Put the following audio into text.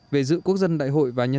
về giữ quốc gia